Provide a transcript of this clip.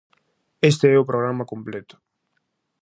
Este é o programa completo: